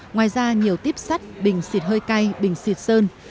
ngoài ra nhiều tuyếp sắt bình xịt hơi cay bình xịt sơn